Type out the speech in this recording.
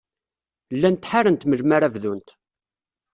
Llant ḥarent melmi ara bdunt.